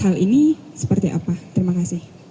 hal ini seperti apa terima kasih